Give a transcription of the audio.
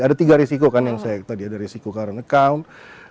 ada tiga risiko kan yang saya tadi ada risiko current account